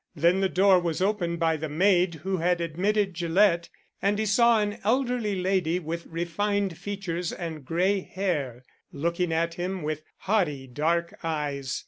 Then the door was opened by the maid who had admitted Gillett, and he saw an elderly lady, with refined features and grey hair, looking at him with haughty dark eyes.